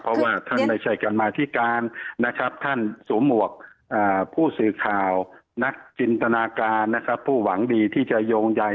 เพราะว่าท่านไม่ใช่การมาธิการนะครับท่านสวมหมวกผู้สื่อข่าวนักจินตนาการนะครับผู้หวังดีที่จะโยงใย